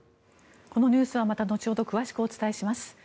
このニュースはまた後ほど詳しくお伝えします。